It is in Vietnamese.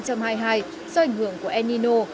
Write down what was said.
do ảnh hưởng của enino